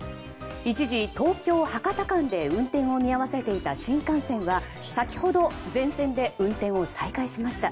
一時、東京博多間で運転を見合わせていた新幹線は先ほど全線で運転を再開しました。